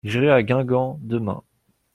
J’irai à Guingamp demain.